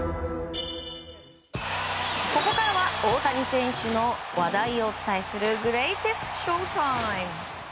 ここからは大谷選手の話題をお伝えするグレイテストＳＨＯ‐ＴＩＭＥ！